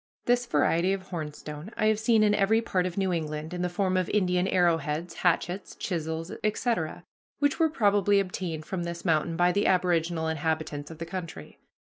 This variety of hornstone I have seen in every part of New England in the form of Indian arrow heads, hatchets, chisels, etc., which were probably obtained from this mountain by the aboriginal inhabitants of the country."